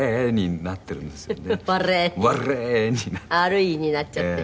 「ｒｅ」になっちゃって。